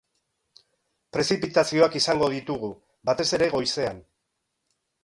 Prezipitazioak izango ditugu, batez ere goizean.